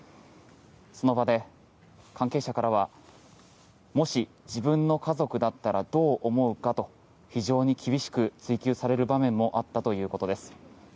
その場で関係者からはもし、自分の家族だったらどう思うかと非常に厳しく追及される場面もあったということです。